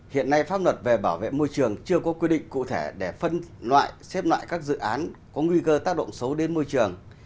hiện nay pháp luật về bảo vệ môi trường chưa có quy định cụ thể để phân loại xếp loại các dự án có nguy cơ tác động xấu đến môi trường